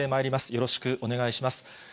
よろしくお願いします。